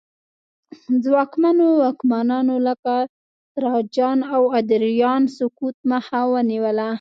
ځواکمنو واکمنانو لکه تراجان او ادریان سقوط مخه ونیوله